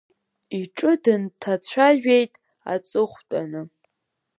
Иҿы дынҭацәажәеит аҵыхәтәаны.